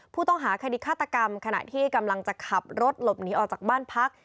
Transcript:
ผู้ต้องหาคดีฆาตกรรมขณะที่กำลังจะขับรถหลบหนีออกจากบ้านพัก